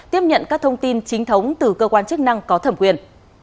tiếp nhận các thông tin chính thống từ cơ quan chức năng có thẩm quyền